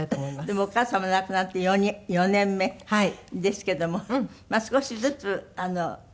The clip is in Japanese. でもお母様亡くなって４年目ですけども少しずつ立ち直って。